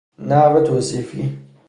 نحو توصیفی